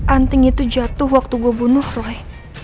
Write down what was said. anting itu jatuh waktu gue bunuh roy